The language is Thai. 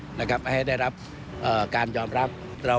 ให้ได้รับการยอมรับ